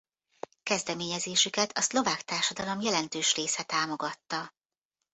Kezdeményezésüket a szlovák társadalom jelentős része támogatta.